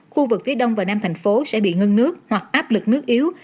khu vực phía đông và nam thành phố sẽ bị ngưng nước hoặc áp lực nước yếu